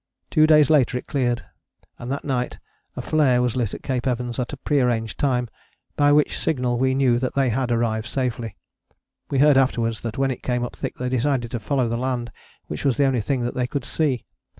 Two days later it cleared, and that night a flare was lit at Cape Evans at a pre arranged time, by which signal we knew that they had arrived safely. We heard afterwards that when it came up thick they decided to follow the land which was the only thing that they could see.